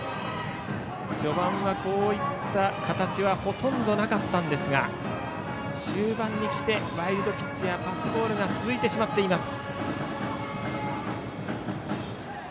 序盤はこうした形はほとんどなかったんですが終盤に来てワイルドピッチやパスボールが続いてしまっています。